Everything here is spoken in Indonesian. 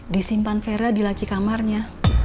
disimpan vera di laci kamarnya